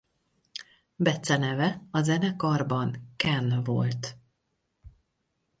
Beceneve a zenekarban Ken volt.